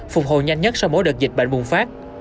phục hồi nhanh nhất sau mỗi đợt dịch bệnh bùng phát